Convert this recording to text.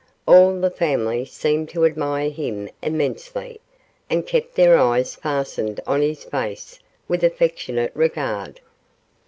All the family seemed to admire him immensely, and kept their eyes fastened on his face with affectionate regard.